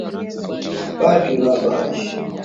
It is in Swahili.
Batu ba mashariki ya kongo wana teswa na vita